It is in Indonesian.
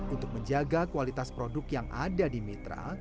untuk menjaga kualitas produk yang ada di mitra